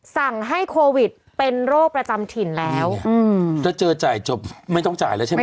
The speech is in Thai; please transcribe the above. สั่งให้โควิดเป็นโรคประจำถิ่นแล้วอืมถ้าเจอจ่ายจบไม่ต้องจ่ายแล้วใช่ไหม